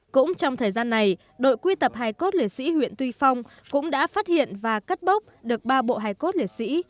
cũng trong thời gian này đội quy tập hài cốt liệt sĩ huyện tuy phong cũng đã phát hiện và cất bốc được ba bộ hài cốt liệt sĩ